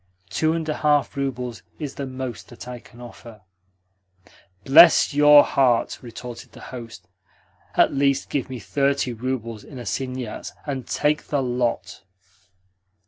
Two and a half roubles is the most that I can offer." "Bless your heart!" retorted the host. "At least give me thirty roubles in assignats, and take the lot."